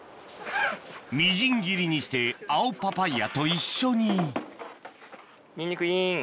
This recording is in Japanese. みじん切りにして青パパイヤと一緒にニンニクイン。